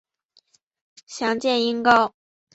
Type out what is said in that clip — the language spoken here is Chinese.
详见音高。